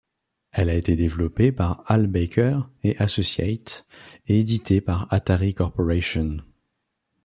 Elle a été développé par Al Baker & Associates et éditée par Atari Corporation.